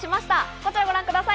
こちらをご覧ください。